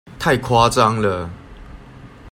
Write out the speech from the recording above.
太誇張了！